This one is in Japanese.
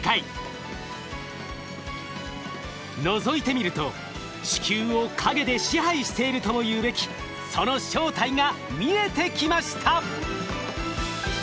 のぞいてみると地球を陰で支配しているとも言うべきその正体が見えてきました。